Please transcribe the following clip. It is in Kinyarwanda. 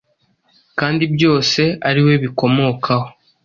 Kandi byose ari we bikomokaho,